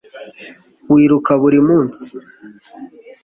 wiruka buri munsi